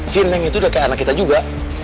si neng itu udah kayak anak kita juga